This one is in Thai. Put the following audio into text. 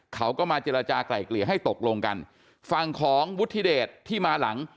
เขาก็มาเจรจากลายเกลี่ยให้ตกลงกันฝั่งของวุฒิเดชที่มาหลัง